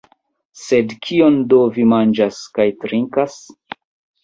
Sed kion do vi manĝas kaj trinkas?